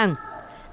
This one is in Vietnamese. đồng thời nhấn mạnh